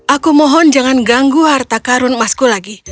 aku mohon jangan ganggu harta karun emasku lagi